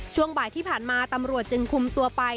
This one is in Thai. ช่วงบ่ายที่ผ่านมาตำรวจจึงคุมตัวไป